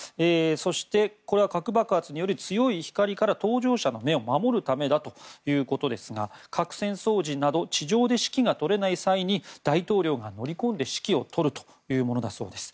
そして、核爆発による強い光から搭乗者の目を守るためだということですが核戦争時など地上で指揮が執れない際に大統領が乗り込んで指揮を執るというものだそうです。